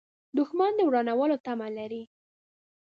دښمن د ورانولو تمه لري